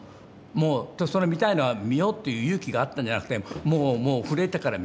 もうそれは見たいのは見ようっていう勇気があったんじゃなくてもうもう震えてるから。